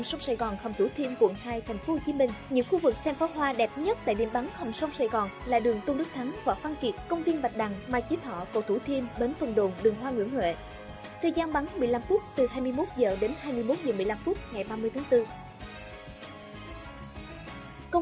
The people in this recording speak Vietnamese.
xin chào và hẹn gặp lại các bạn trong những video tiếp theo